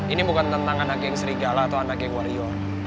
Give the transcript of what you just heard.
ini bukan tentang anak yang serigala atau anak yang warrior